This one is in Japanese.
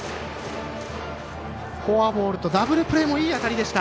フォアボールとダブルプレーもいい当たりでした。